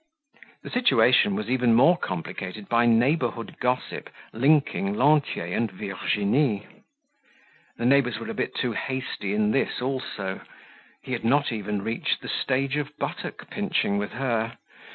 The situation was even more complicated by neighborhood gossip linking Lantier and Virginie. The neighbors were a bit too hasty in this also; he had not even reached the stage of buttock pinching with her.